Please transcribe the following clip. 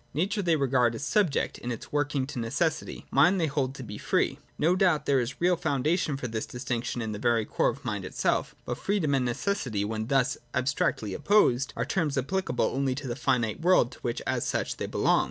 Nature they regard as subject in its workings to necessity ; Mind they hold to be free. No doubt there is a real foundation for this distinction in the very core of the Mind itself: but freedom and necessity, when thus abstractly opposed, are terms applicable only in the finite world to which, as such, they belong.